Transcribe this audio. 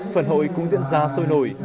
phần hội cũng diễn ra sôi nổi